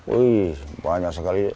wih banyak sekali